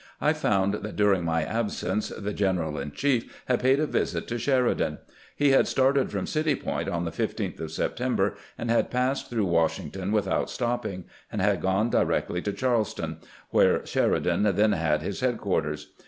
I found that during my absence the general in ehief had paid a visit to Sheridan. He had started from City Point on the 15th of September, had passed through "Washington without stopping, and had gone directly to Charlestown, where Sheridan then had his headquarters.